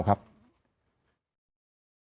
คุณธรรมนัฐลงไปแบบว่าดูการ